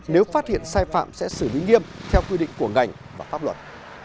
nếu phát hiện sai phạm sẽ xử lý nghiêm theo quy định của ngành và pháp luật